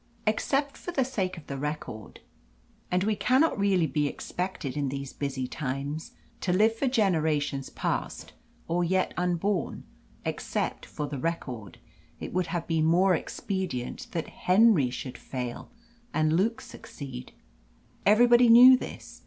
Except for the sake of the record and we cannot really be expected in these busy times to live for generations past or yet unborn except for the record it would have been more expedient that Henry should fail and Luke succeed. Everybody knew this.